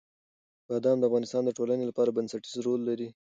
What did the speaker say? بادام د افغانستان د ټولنې لپاره بنسټيز رول لري.